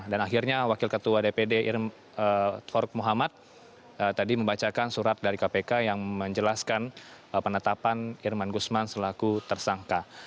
akhirnya wakil ketua dpd irman muhammad tadi membacakan surat dari kpk yang menjelaskan penetapan irman gusman selaku tersangka